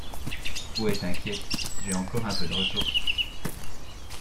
Ouais, t’inquiète, j’ai encore un peu de ressources.